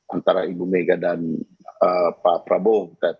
antara ibu mega dan pak prabowo